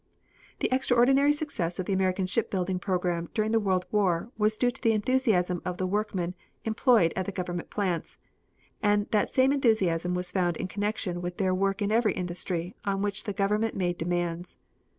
The extraordinary success of the American ship building program during the World War was due to the enthusiasm of the workmen employed at the government plants, and that same enthusiasm was found in connection with their work in every industry on which the Government made demands.